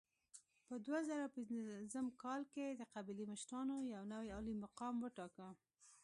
په دوه زره پنځم کال کې د قبیلې مشرانو یو نوی عالي مقام وټاکه.